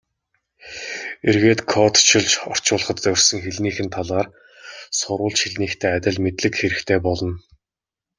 Эргээд кодчилж орчуулахад зорьсон хэлнийх нь талаар сурвалж хэлнийхтэй адил мэдлэг хэрэгтэй болно.